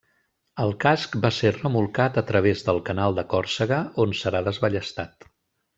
El casc va ser remolcat a través del Canal de Còrsega, on serà desballestat.